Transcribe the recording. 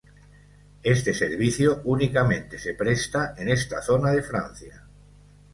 Este servicio únicamente se presta en esta zona de Francia.